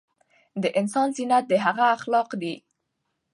د انسان زينت د هغه اخلاق دي